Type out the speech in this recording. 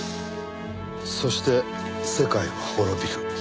そして「世界は滅びる」。